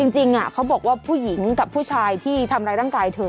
จริงเขาบอกว่าผู้หญิงกับผู้ชายที่ทำร้ายร่างกายเธอ